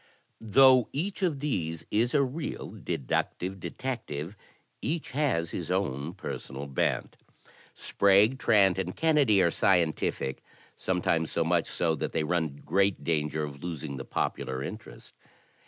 Though each of these is a real deductive detective, each has his own personal bent. Sprague, Trant and Kennedy are scientific, — sometimes so much so that they run great danger of losing the popular interest.